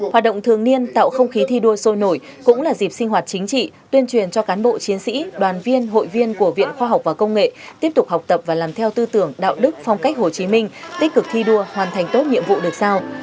hoạt động thường niên tạo không khí thi đua sôi nổi cũng là dịp sinh hoạt chính trị tuyên truyền cho cán bộ chiến sĩ đoàn viên hội viên của viện khoa học và công nghệ tiếp tục học tập và làm theo tư tưởng đạo đức phong cách hồ chí minh tích cực thi đua hoàn thành tốt nhiệm vụ được sao